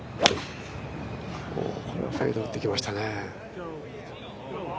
これはフェードを打ってきましたね。